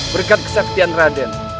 berkat kesekian raden